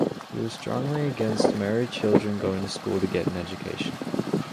He was strongly against Maori children going to school to get an education.